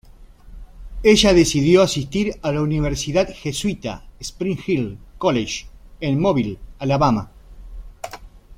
Ella decidió asistir a la universidad jesuita, Spring Hill College, en Mobile, Alabama.